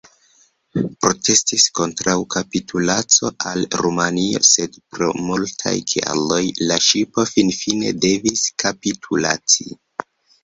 Protestis kontraŭ kapitulaco al Rumanio, sed pro multaj kialoj la ŝipo finfine devis kapitulaci.